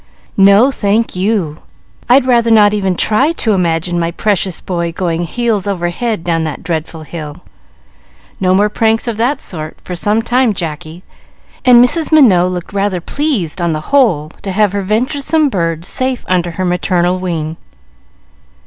"No, thank you; I'd rather not even try to imagine my precious boy going heels over head down that dreadful hill. No more pranks of that sort for some time, Jacky;" and Mrs. Minot looked rather pleased on the whole to have her venturesome bird safe under her maternal wing.